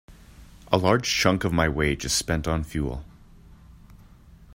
A large chunk of my wage is spent on fuel.